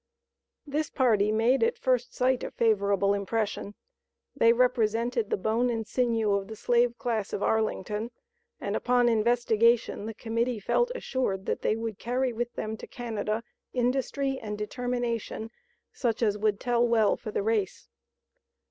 This party made, at first sight, a favorable impression; they represented the bone and sinew of the slave class of Arlington, and upon investigation the Committee felt assured that they would carry with them to Canada industry and determination such as would tell well for the race.